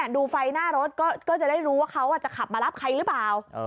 ดูไฟหน้ารถก็จะได้รู้ว่าเขาจะขับมารับใครหรือเปล่า